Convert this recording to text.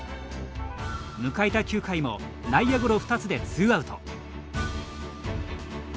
迎えた９回も内野ゴロ２つでツーアウト。